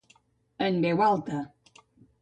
En veu alta.